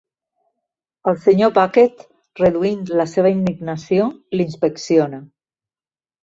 El Sr. Bucket, reduint la seva indignació, l'inspecciona.